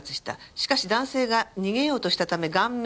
しかし男性が逃げようとしたため顔面を殴打。